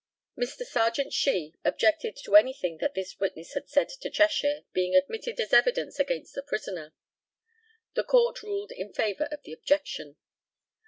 Mr. Sergeant SHEE objected to anything that this witness had said to Cheshire being admitted as evidence against the prisoner. The COURT ruled in favour of the objection.